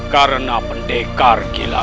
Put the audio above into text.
karena pendekar gila itu